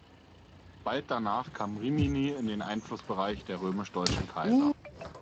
Bald danach kam Rimini in den Einflussbereich der römisch-deutschen Kaiser.